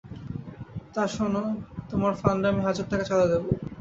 তা শোনো তোমার ফান্ডে আমি হাজার টাকা চাঁদা দেব।